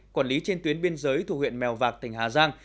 quản lý trên tuyến biên giới thủ huyện mèo vạc tỉnh hà giang